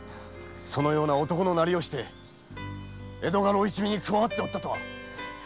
そのような男の態をして江戸家老一味に加わっておったとは！